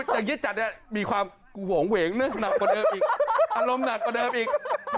อย่างเย็ดจัดนี่มีความห่วงเหวงนะอารมณ์หนักกว่าเดิมอีก